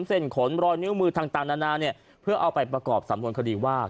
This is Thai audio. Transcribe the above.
เส้นขนรอยนิ้วมือต่างนานาเนี่ยเพื่อเอาไปประกอบสำนวนคดีว่า